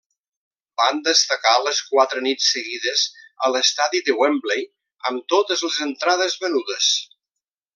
Van destacar les quatre nits seguides a l'estadi de Wembley amb totes les entrades venudes.